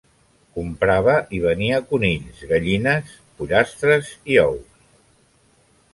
Comprava i venia conills, gallines, pollastre i ous.